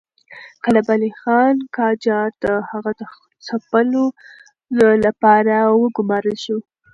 کلب علي خان قاجار د هغه د ځپلو لپاره وګمارل شو.